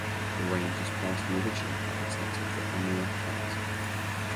The range is part of the original habitat of the Amur cat.